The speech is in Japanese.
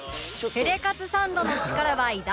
ヘレカツサンドの力は偉大！